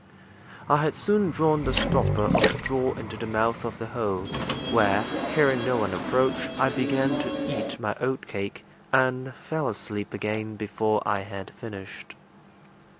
I had soon drawn the stopper of straw into the mouth of the hole, where, hearing no one approach, I began to eat my oatcake, and fell asleep again before I had finished.